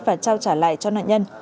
và trao trả lại cho nạn nhân